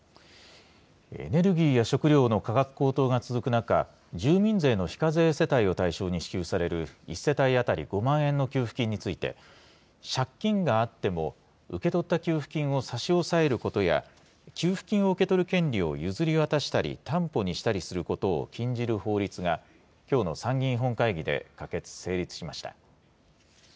エネルギーや食料の価格高騰が続く中、住民税の非課税世帯を対象に支給される、１世帯当たり５万円の給付金について、借金があっても受け取った給付金を差し押さえることや、給付金を受け取る権利を譲り渡したり、担保にしたりすることを禁じる法律が、きょうの参議院本会議で可決・成立しました。